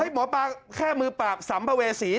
หมอปลาแค่มือปากสำภเวศี